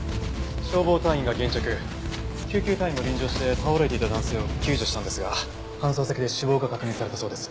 消防隊員が現着救急隊員も臨場して倒れていた男性を救助したんですが搬送先で死亡が確認されたそうです。